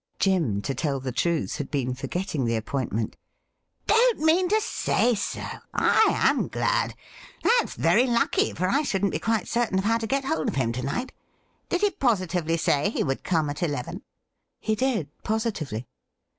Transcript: ■Tim, to tell the truth, had been forgetting the appoint ment. ' Don't mean to say so ! I am glad ! That's very lucky, for I shouldn't be quite certain of how to get hold of him to night. Did he positively say he would come at eleven ?'' He did, positively.'